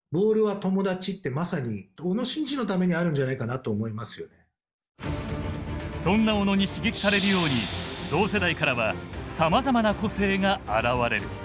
堂々とプレーする１８歳にそんな小野に刺激されるように同世代からはさまざまな個性が現れる。